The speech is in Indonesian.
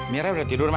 mira sudah tidur ma